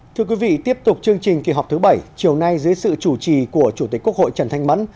thưa quý vị tiếp tục chương trình kỳ họp thứ bảy chiều nay dưới sự chủ trì của chủ tịch quốc hội trần thanh mẫn